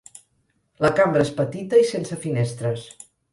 La cambra és petita i sense finestres.